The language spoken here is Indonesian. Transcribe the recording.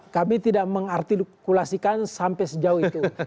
kami tidak mengartikulasikan sampai sejauh itu